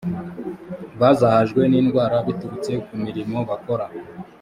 bazahajwe n’ indwara biturutse ku mirimo bakora